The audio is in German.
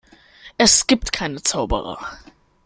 Es gibt keine Zauberer.